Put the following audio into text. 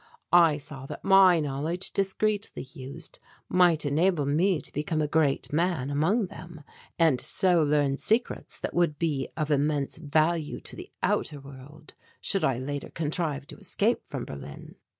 I saw that my knowledge discreetly used, might enable me to become a great man among them and so learn secrets that would be of immense value to the outer world, should I later contrive to escape from Berlin.